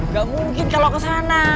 gak mungkin kalau kesana